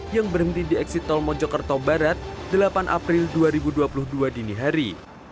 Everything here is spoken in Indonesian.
yang berhenti di eksit tol mojokerto barat delapan april dua ribu dua puluh dua dini hari